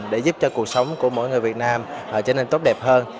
để giúp cho cuộc sống của mỗi người việt nam trở nên tốt đẹp hơn